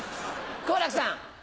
好楽さん。